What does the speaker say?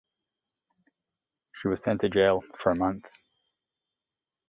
She was sent to jail for a month.